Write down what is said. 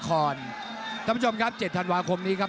ท่านผู้ชมครับ๗ธันวาคมนี้ครับ